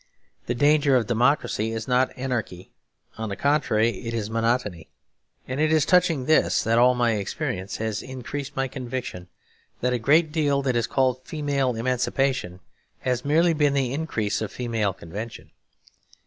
The danger of democracy is not anarchy; on the contrary, it is monotony. And it is touching this that all my experience has increased my conviction that a great deal that is called female emancipation has merely been the increase of female convention.